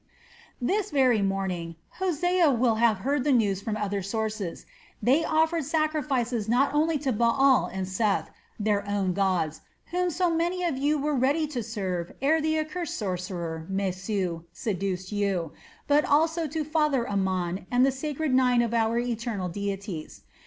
This very morning Hosea will have heard the news from other sources they offered sacrifices not only to Baal and Seth, their own gods, whom so many of you were ready to serve ere the accursed sorcerer, Mesu, seduced you, but also to Father Amon and the sacred nine of our eternal deities.